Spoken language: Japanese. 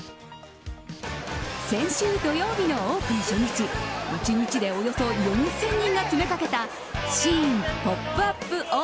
先週土曜日のオープン初日１日でおよそ４０００人が詰めかけたＳＨＥＩＮＰＯＰＵＰＯＳＡＫＡ。